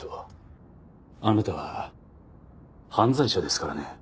あなたは犯罪者ですからね。